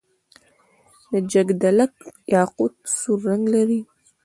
د جګدلک یاقوت سور رنګ لري.